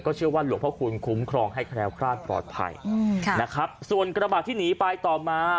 เชื่อว่าหลวงพระคุณคุ้มครองให้แคล้วคลาดปลอดภัยอืมค่ะนะครับส่วนกระบาดที่หนีไปต่อมา